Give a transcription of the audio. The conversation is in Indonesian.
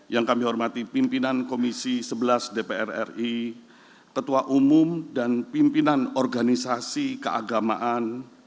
yang kami hormati pimpinan komisi sebelas dpr ri ketua umum dan pimpinan organisasi keagamaan